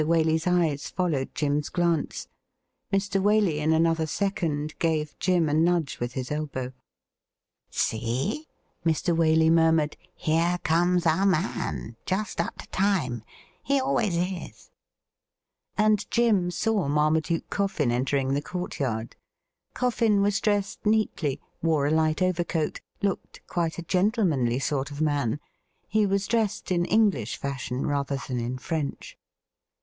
Waley's eyes followed Jim's glance. Mr. Wtdey in another second gave Jim a nudge with his elbow. 90 THE RIDDLE RING 'See,' Mr. Waley murmured, 'here comes our man — just up to time : he always is.' And Jim saw Marmaduke Coffin entering the courtyard. Coffin was dressed neatly, wore a light overcoat, looked quite a gentlemanly sort of man. He was dressed in English fashion rather than in French.